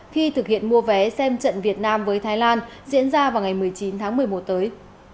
khi thực hiện mua vé xem trận việt nam với thái lan diễn ra vào ngày một mươi chín tháng một mươi một tới